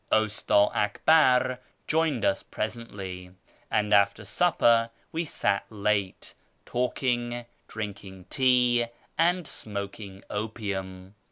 Usta Akbar joined us presently, and after supper we sat late, talking, drinking tea, and smoking opium.